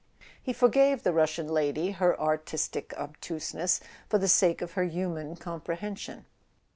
He forgave the Russian lady her artistic obtuseness for the sake of her human comprehension.